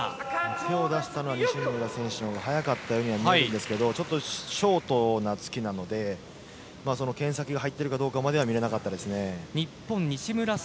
手を出したのは西村選手のほうが速かったと思うんですがショートな突きなのでその拳先が入っているかどうかまでは見えなかったですね。